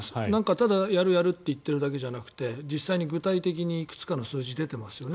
ただ、やるやると言っているだけじゃなくて実際に具体的にいくつかの数字が出ていますよね。